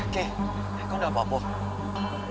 kei kau ada apa apa